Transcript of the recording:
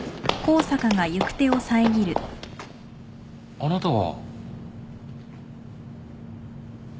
あなたは。